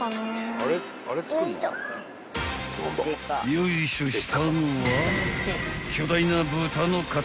［よいしょしたのは巨大な］